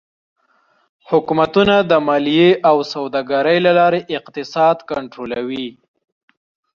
حکومتونه د مالیې او سوداګرۍ له لارې اقتصاد کنټرولوي.